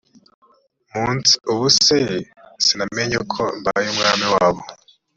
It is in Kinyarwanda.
munsi ubu se sinamenye ko mbaye umwami wabo